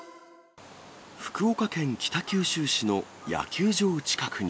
福岡県北九州市の野球場近くに。